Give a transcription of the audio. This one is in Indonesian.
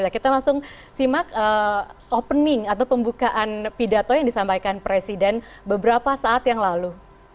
kita langsung simak opening atau pembukaan pidato yang disampaikan presiden beberapa saat yang lalu